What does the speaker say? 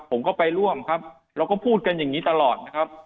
ผมก็ไปร่วมครับเราก็พูดกันอย่างนี้ตลอดนะครับ